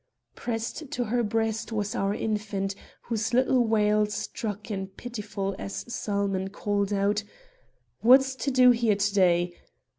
Pressed to her breast was our infant, whose little wail struck in pitifully as Salmon called out: 'What's to do here to day!'